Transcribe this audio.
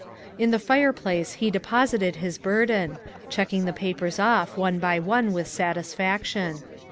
In the fireplace he deposited his burden, checking the papers off one by one with satisfaction.